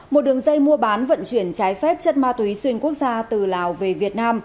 một đường dây mua bán vận chuyển trái phép chất ma túy xuyên quốc gia từ lào về việt nam